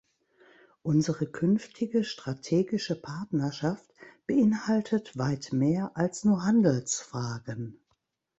Unsere künftige strategische Partnerschaft beinhaltet weit mehr als nur Handelsfragen.